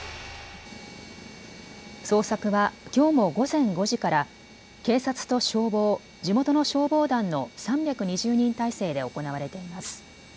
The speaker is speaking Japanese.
捜索はきょうも午前５時から警察と消防、地元の消防団の３２０人態勢で行われています。